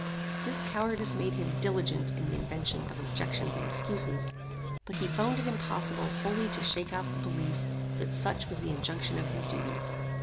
This cowardice made him diligent in the invention of objections and excuses; but he found it impossible wholly to shake off the belief that such was the injunction of his duty.